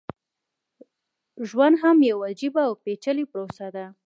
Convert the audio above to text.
ژوند هم يوه عجيبه او پېچلې پروسه ده.